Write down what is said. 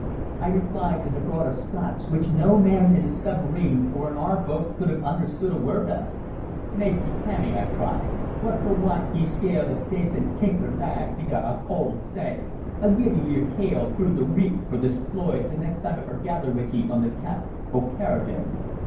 I replied in the broadest Scots, which no man in the submarine or in our boat could have understood a word of. 'Maister Tammy,' I cried, 'what for wad ye skail a dacent tinkler lad intil a cauld sea? I'll gie ye your kail through the reek for this ploy the next time I forgaither wi' ye on the tap o' Caerdon.